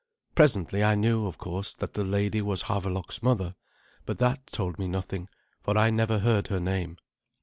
Presently I knew, of course, that the lady was Havelok's mother; but that told me nothing, for I never heard her name.